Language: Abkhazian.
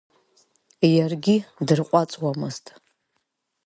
Иаргьы дырҟәаҵуамызт.